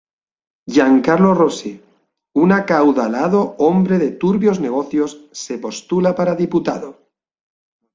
Giancarlo Rosi, un acaudalado hombre de turbios negocios, se postula para diputado.